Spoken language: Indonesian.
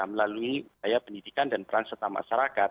melalui budaya pendidikan dan peran setahun masyarakat